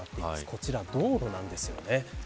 こちら道路なんですよね。